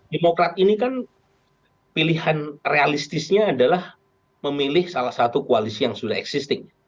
demokrat ini kan pilihan realistisnya adalah memilih salah satu koalisi yang sudah existing